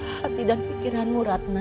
hati dan pikiranmu ratna